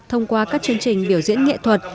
thông qua các chương trình biểu diễn nghệ thuật